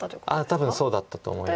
多分そうだったと思います。